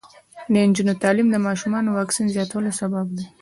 د نجونو تعلیم د ماشومانو واکسین زیاتولو سبب دی.